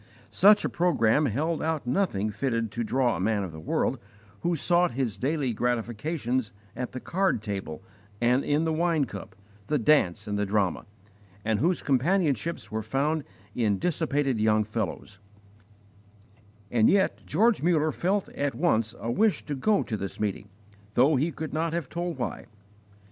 Such a programme held out nothing fitted to draw a man of the world who sought his daily gratifications at the card table and in the wine cup, the dance and the drama, and whose companionships were found in dissipated young fellows; and yet George Muller felt at once a wish to go to this meeting, though he could not have told why.